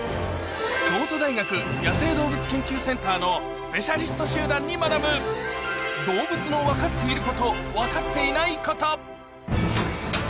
京都大学野生動物研究センターのスペシャリスト集団に学ぶ、どうぶつのわかっていることわかっていないこと。